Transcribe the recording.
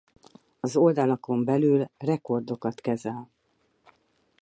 Az oldalakon belül rekordokat kezel.